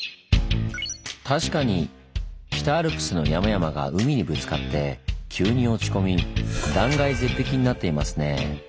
確かに北アルプスの山々が海にぶつかって急に落ち込み断崖絶壁になっていますねぇ。